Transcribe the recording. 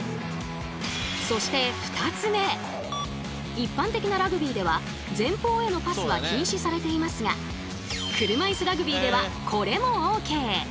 一般的なラグビーでは前方へのパスは禁止されていますが車いすラグビーではこれもＯＫ！